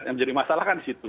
yang menjadi masalah kan di situ